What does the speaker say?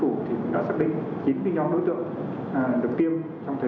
sau đó thì khi mà triển khai các đối tượng tiếp theo